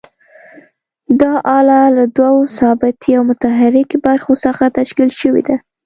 دا آله له دوو ثابتې او متحرکې برخو څخه تشکیل شوې ده.